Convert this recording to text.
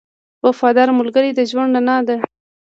• وفادار ملګری د ژوند رڼا ده.